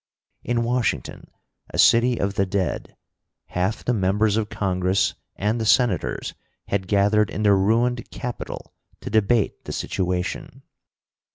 In Washington, a city of the dead, half the members of Congress and the Senators had gathered in the ruined Capitol, to debate the situation.